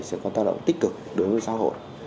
sẽ có tác động tích cực đối với xã hội